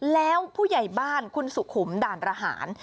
แล้วผู้ใหญ่บ้านคุณสุขุมด่านระหาร